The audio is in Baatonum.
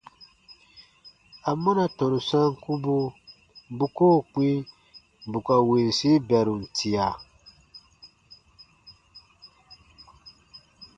Amɔna tɔnu sankubu bu koo kpĩ bù ka winsi bɛrum tia?